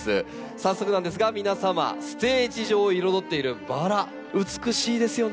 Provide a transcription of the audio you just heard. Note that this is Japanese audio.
早速なんですが皆様ステージ上を彩っているバラ美しいですよね。